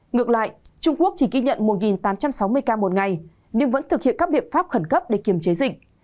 ngược lại trung quốc chỉ ghi nhận một tám trăm sáu mươi ca một ngày nhưng vẫn thực hiện các biện pháp khẩn cấp để kiềm chế dịch